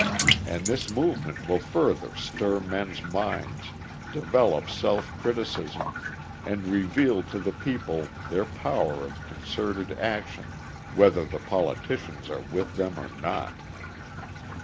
And this movement will further stir men's minds, develop self criticism, and reveal to the people their power of concerted action whether the politicians are with them or not.